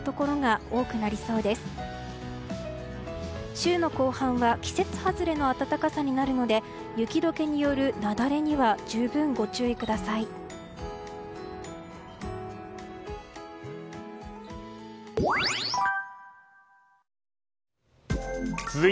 週の後半は季節外れの暖かさになるので雪解けによる雪崩には十分ご注意ください。